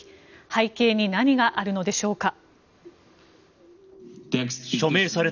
背景に何があるのでしょうか。